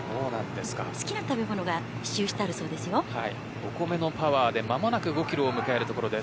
好きな食べ物がお米のパワーで間もなく５キロを迎えるところです。